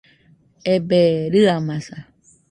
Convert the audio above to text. Ebe, rɨamaza